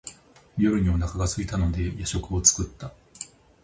夜にお腹がすいたので夜食を作った。